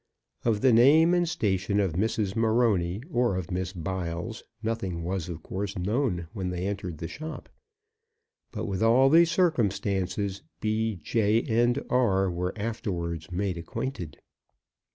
Of the name and station of Mrs. Morony, or of Miss Biles, nothing was of course known when they entered the shop; but with all these circumstances, B., J., and R. were afterwards made acquainted.